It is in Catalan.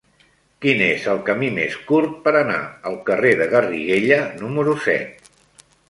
Quin és el camí més curt per anar al carrer de Garriguella número set?